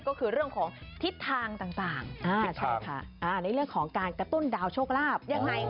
ก็คือเรื่องของทิศทางต่างในเรื่องของการกระตุ้นดาวโชคลาภยังไง